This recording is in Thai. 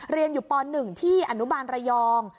เรียนอยู่ป๑ที่อนุบาลระยอง